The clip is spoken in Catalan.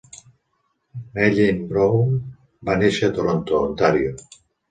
Melleny Brown va néixer a Toronto, Ontario.